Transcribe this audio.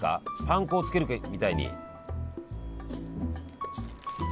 パン粉をつけるみたいに。